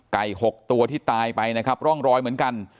กตัวที่ตายไปนะครับร่องรอยเหมือนกัน